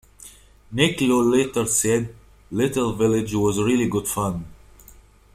Nick Lowe later said, Little Village was really good fun.